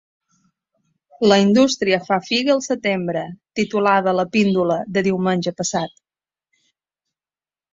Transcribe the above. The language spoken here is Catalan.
La indústria fa figa al setembre, titulava la píndola de diumenge passat.